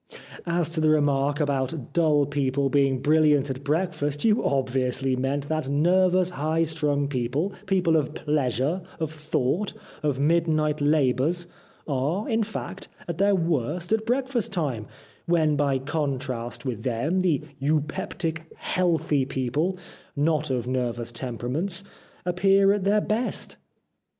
As to the remark about dull people being 328 The Life of Oscar Wilde brilliant at breakfast you obviously meant that nervous, high strung people, people of pleasure, of thought, of midnight labours are, in fact, at their worst at breakfast time, when by contrast with them the eupeptic, healthy, people not of nervous temperaments appear at their best."